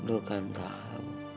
lu kan tahu